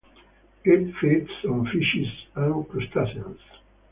It feeds on fishes and crustaceans.